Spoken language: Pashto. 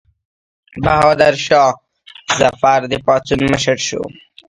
بهادر شاه ظفر د پاڅون مشر شو.